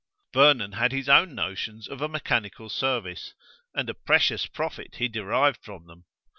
Vernon had his own notions of a mechanical service and a precious profit he derived from them!